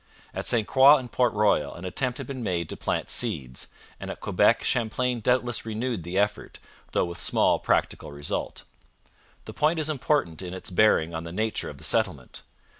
At St Croix and Port Royal an attempt had been made to plant seeds, and at Quebec Champlain doubtless renewed the effort, though with small practical result. The point is important in its bearing on the nature of the settlement.